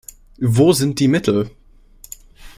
Wo sind die Mittel?